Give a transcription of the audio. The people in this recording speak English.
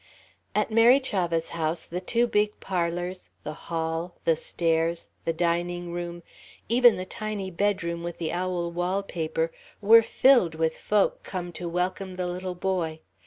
At Mary Chavah's house the two big parlours, the hall, the stairs, the dining room, even the tiny bedroom with the owl wall paper, were filled with folk come to welcome the little boy.